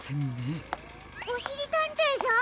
おしりたんていさん？